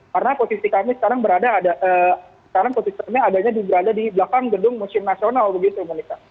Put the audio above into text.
karena posisi kami sekarang berada ada sekarang posisinya adanya di belakang gedung museum nasional begitu melika